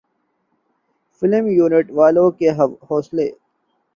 film unit والوں کے حوصلے